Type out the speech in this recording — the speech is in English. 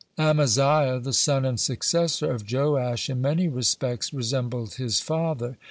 (16) Amaziah, the son and successor of Joash, in many respects resembled his father.